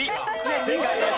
正解です。